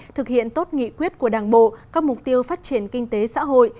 thực hiện tốt nghị quyết của đảng bộ các mục tiêu phát triển kinh tế xã hội